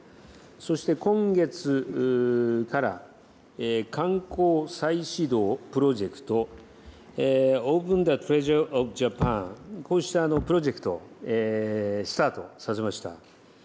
そして今月から、観光再始動プロジェクト、オープン・ザ・トレジャー・オブ・ジャパン、こうしたプロジェクト、スタートさせました。